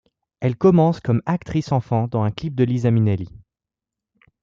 Elle commence comme actrice enfant dans un clip de Liza Minnelli.